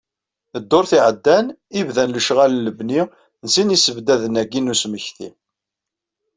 Ddurt iɛeddan, i bdan lecɣal n lebni n sin yisebddaden-agi n usmekti.